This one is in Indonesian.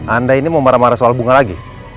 anda ini mau marah marah soal bunga lagi